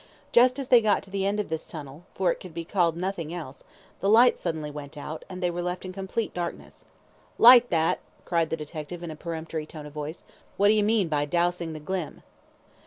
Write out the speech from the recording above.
Just as they got to the end of this tunnel, for it could be called nothing else, the light suddenly went out, and they were left in complete darkness. "Light that," cried the detective in a peremptory tone of voice. "What do you mean by dowsing the glim?"